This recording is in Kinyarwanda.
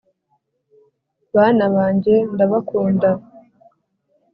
bana banjye ndabakunda